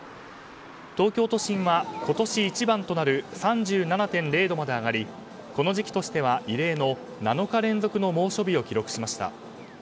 東京都心は今年一番となる３７．０度まで上がりこの時期としては異例の７日連続の猛暑日を記録しました。